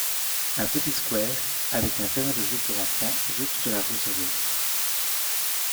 Un petit square avec un terrain de jeux pour enfants jouxte la roseraie.